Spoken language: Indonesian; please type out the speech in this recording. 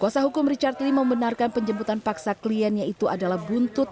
kuasa hukum richard lee membenarkan penjemputan paksa kliennya itu adalah buntut